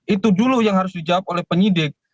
itu dulu yang harus dijawab oleh penyidik